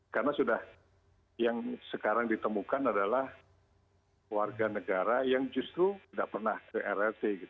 karena sudah yang sekarang ditemukan adalah warga negara yang justru tidak pernah ke rrt